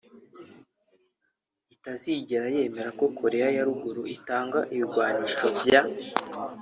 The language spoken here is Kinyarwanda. itazigera yemera ko Korea ya Ruguru itunga ibigwanisho vya